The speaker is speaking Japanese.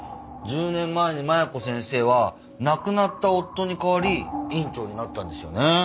１０年前に麻弥子先生は亡くなった夫に代わり院長になったんですよね。